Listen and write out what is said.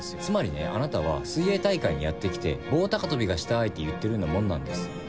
つまりねあなたは水泳大会にやって来て棒高跳びがしたいと言ってるようなもんなんです。